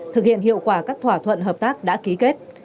thực hiện hiệu quả các thỏa thuận hợp tác đã ký kết